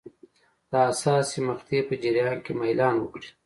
د حساسې مقطعې په جریان کې میلان وکړي.